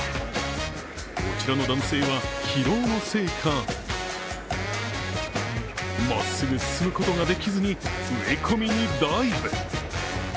こちらの男性は疲労のせいかまっすぐ進むことができずに植え込みにダイブ。